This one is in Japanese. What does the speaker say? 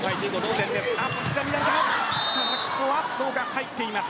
入っています。